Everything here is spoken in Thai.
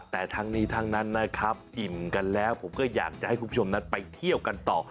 แต่ทั้งนี้ทั้งนั้นนะครับอิ่มกันแล้วผมก็อยากจะให้คุณผู้ชมนั้นไปเที่ยวกันต่อ